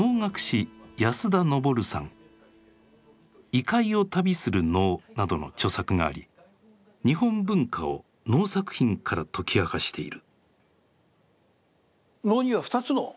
「異界を旅する能」などの著作があり日本文化を能作品から解き明かしている。